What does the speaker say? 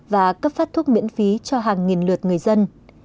và cấp phát thuốc miễn phí cho hàng nghìn lượt người dân